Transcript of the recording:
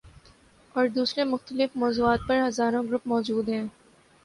اور دوسرے مختلف موضوعات پر ہزاروں گروپ موجود ہیں۔